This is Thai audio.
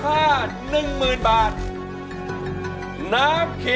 เพลงที่๑มูลค่า๑๐๐๐๐บาท